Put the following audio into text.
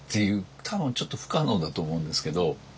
多分ちょっと不可能だと思うんですけど。